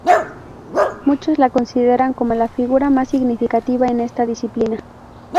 Muchos la consideran como la figura más significativa en esta disciplina.